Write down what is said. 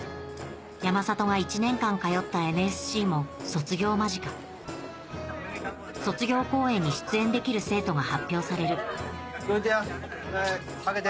山里が１年間通ったＮＳＣも卒業間近卒業公演に出演できる生徒が発表されるどいてや空けて。